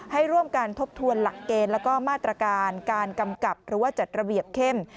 ให้ร่วมการทบทวนหลักเกณฑ์แล้วก็มาตรการการกำกับหรือว่าจัดระเบียบเข้ม